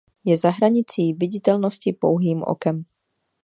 Je za hranicí viditelnosti pouhým okem.